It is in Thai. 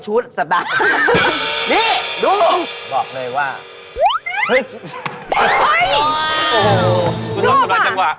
คุณตเราประดาษจังหวะ